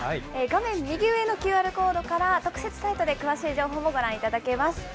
画面右上のＱＲコードから特設サイトで詳しい情報もご覧いただけます。